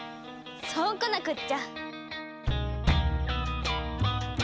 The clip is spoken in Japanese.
そうこなくっちゃ！